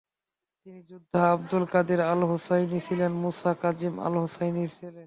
তিনি যোদ্ধা Abdul Qadir al-Husseini ছিলেন মুসা কাজিম আল-হুসাইনির ছেলে।